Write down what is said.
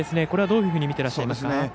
これはどういうふうに見てらっしゃいますか。